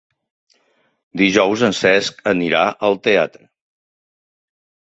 Dijous en Cesc anirà al teatre.